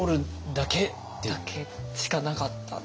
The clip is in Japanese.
だけしかなかったんで。